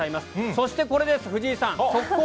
そしてこれです、藤井さん、速報！